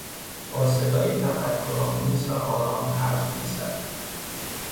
با صدایی تفکر آمیز و آرام حرف می زد.